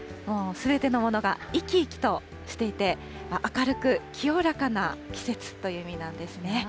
すべてのものが生き生きとしていて、明るく清らかな季節という意味なんですね。